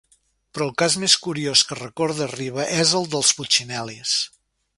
Però el cas més curiós que recorda Riba és el dels "putxinel·lis".